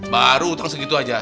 baru utang segitu aja